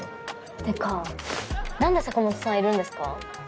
ってか何で坂本さんいるんですか？